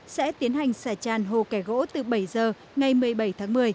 sẽ tiến hành xả tràn hồ kẻ gỗ từ bảy giờ ngày một mươi bảy tháng một mươi